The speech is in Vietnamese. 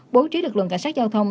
bố trí lực lượng cảnh sát giao thông